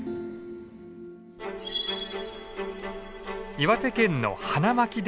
岩手県の花巻電鉄。